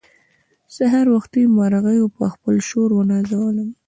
سهار وختي مرغيو په خپل شور ونازولم.